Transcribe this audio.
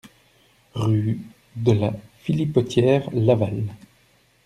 Rue de la Philipotière, Laval